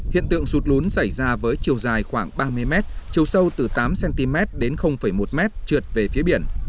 hiện tượng sụt lún xảy ra với chiều dài khoảng ba mươi m chiều sâu từ tám cm đến một m trượt về phía biển